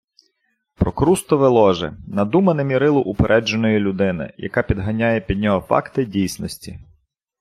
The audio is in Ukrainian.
Прокрустове ложе - надумане мірило упередженої людини, яка підганяє під нього факти дійсності